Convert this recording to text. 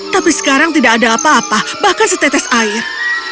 tapi sekarang tidak ada apa apa bahkan setetes air